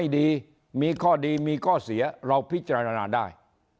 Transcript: จากซ้ายเลือกขวาดีไม่ดีมีข้อดีมีข้อเสียเราพิจารณาได้